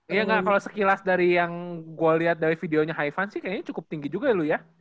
iya gak kalo sekilas dari yang gue liat dari videonya haivan sih kayaknya cukup tinggi juga ya lo ya